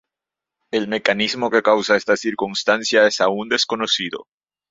El mecanismo que causa esta circunstancia es aún desconocido.